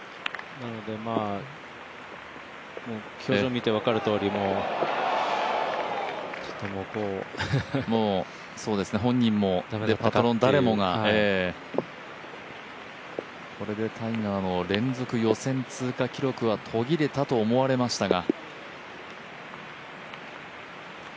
なので、表情見て分かるとおり本人もパトロン、誰もが、これでタイガーの連続予選通過記録は途切れたと思われましたが。